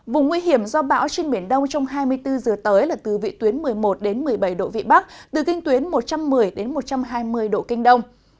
vùng nguy hiểm do bão trên biển đông trong hai mươi bốn h tới là từ vị tuyến một mươi một một mươi bảy độ vị bắc từ kinh tuyến một trăm một mươi một trăm hai mươi độ kinh đông